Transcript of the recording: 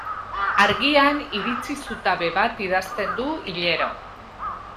Argia-n iritzi-zutabe bat idazten du hilero.